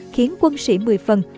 khiến quân sĩ mười phần